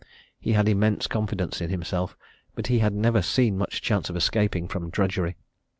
He had immense confidence in himself, but he had never seen much chance of escaping from drudgery.